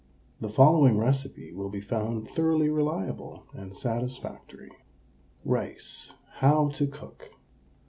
The following recipe will be found thoroughly reliable and satisfactory. RICE, HOW TO COOK.